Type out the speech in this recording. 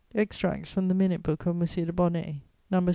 ] EXTRACTS FROM THE MINUTE BOOK OF M. DE BONNAY No.